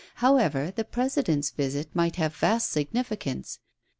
However, the President's visit might have vast significance.